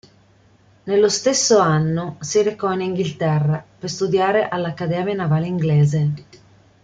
Nello stesso anno, si recò in Inghilterra per studiare all'accademia navale inglese.